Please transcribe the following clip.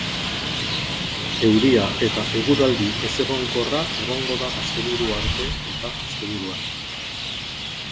Euria eta eguraldi ezegonkorra egongo da asteburua arte eta asteburuan.